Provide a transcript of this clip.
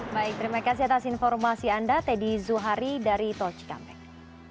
baik terima kasih atas informasi anda teddy zuhari dari tol cikampek